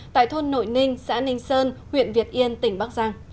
tại thôn nội ninh xã ninh sơn huyện việt yên tỉnh bắc giang